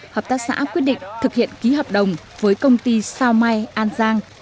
hợp tác xã quyết định thực hiện ký hợp đồng với công ty sao mai an giang